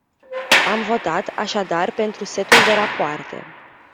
Am votat, așadar, pentru setul de rapoarte.